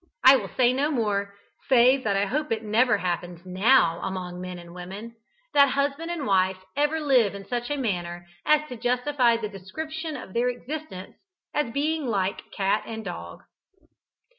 I will say no more, save that I hope it never happens now among men and women, that husband and wife ever live in such a manner as to justify the description of their existence as being "like Cat and Dog!"